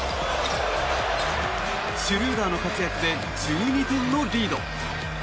シュルーダーの活躍で１２点のリード。